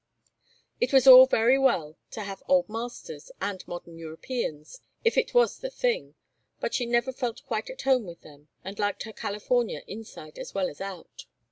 It was all very well to have old masters, and modern Europeans, if it was the thing, but she never felt quite at home with them, and liked her California inside as well as out.